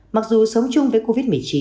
mặc dù sống chung với covid một mươi chín